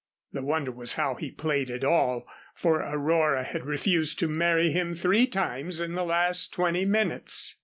The wonder was how he played at all, for Aurora had refused to marry him three times in the last twenty minutes.